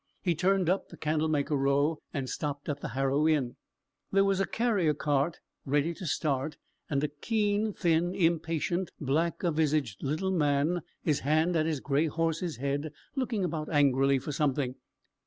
He turned up the Candlemaker Row, and stopped at the Harrow Inn. There was a carrier's cart ready to start, and a keen thin, impatient, black a vised little man, his hand at his gray horse's head, looking about angrily for something.